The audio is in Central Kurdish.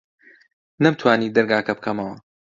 نەمتوانی دەرگاکە بکەمەوە.